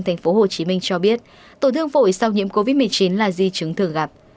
tp hcm cho biết tổn thương phổi sau nhiễm covid một mươi chín là di chứng thường gặp